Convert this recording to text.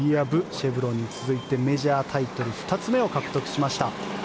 シェブロンに続いてメジャータイトル２つ目を獲得しました。